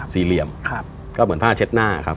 สี่เหลี่ยมก็เหมือนผ้าเช็ดหน้าครับ